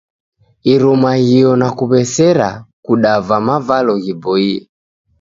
Irumaghio na kuw'esera, kudava mavalo ghiboie.